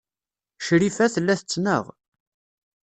Crifa tella tettnaɣ.